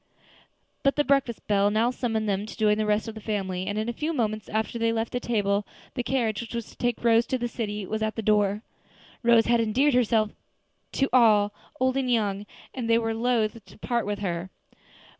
But the breakfast bell now summoned them to join the rest of the family, and, in a few moments after they left the table, the carriage which was to take Rose to the city was at the door. Rose had endeared herself to all, old and young, and they were loath to part with her.